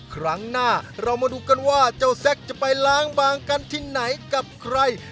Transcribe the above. ครั้งหน้าเรามาดูกันว่าเจ้าแซ็กจะไปล้างบางกันที่ไหนกับใคร